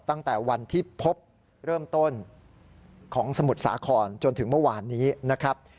ตั้งแต่วันที่พบเริ่มต้นของสมุทรสาครจนถึงเมื่อวานนี้นะครับ